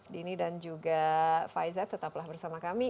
dini dan juga faiza tetaplah bersama kami